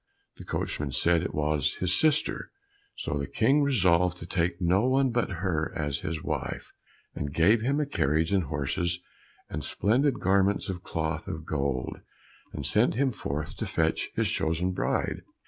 The coachman said it was his sister, so the King resolved to take no one but her as his wife, and gave him a carriage and horses and splendid garments of cloth of gold, and sent him forth to fetch his chosen bride.